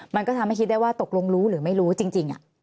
มันก็ทำให้คิดได้ว่าตกลงรู้หรือไม่รู้จริง